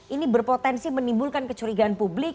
ini berpotensi menimbulkan kecurigaan publik